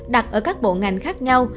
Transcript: đặt ở các bộ ngành khác nhau